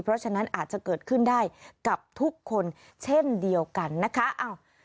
เพราะฉะนั้นอาจจะเกิดขึ้นได้กับทุกคนเช่นเดียวกันนะคะ